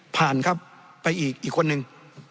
ครับไปอีกอีกคนนึง